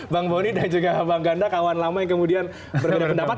bang boni dan juga bang ganda kawan lama yang kemudian berbeda pendapat